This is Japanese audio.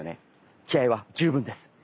気合いは十分です。